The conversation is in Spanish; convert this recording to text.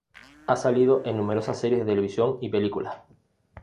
Ha salido en numerosas series de televisión y películas.